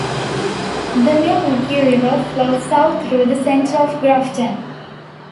The Milwaukee River flows south through the center of Grafton.